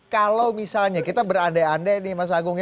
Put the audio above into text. kalau misalnya kita berandai andai nih mas agung ya